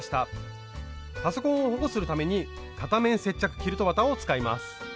パソコンを保護するために片面接着キルト綿を使います。